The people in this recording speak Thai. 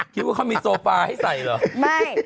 คิดว่าเขามีโซฟาให้ใส่เหรอไม่